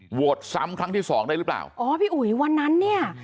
โหวตซ้ำครั้งที่สองได้หรือเปล่าอ๋อพี่อุ๋ยวันนั้นเนี่ย